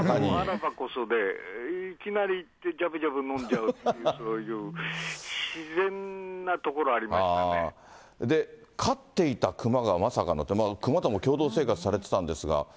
いきなり行って、じゃぶじゃぶ飲んじゃうっていう、そういう、飼っていた熊がまさかの、熊とも共同生活をされてたんですか。